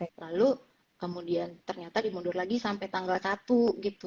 lalu kemudian ternyata dimundur lagi sampai tanggal satu gitu